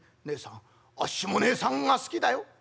『ねえさんあっしもねえさんが好きだよ』。